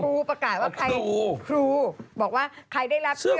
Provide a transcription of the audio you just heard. ครูประกาศว่าใครครูบอกว่าใครได้รับเสื้ออ๋อดู